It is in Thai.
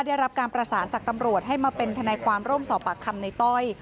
ได้รับการประสานจากตำรวจให้มาเป็นทนายความร่วมสอบปากคำในต้อย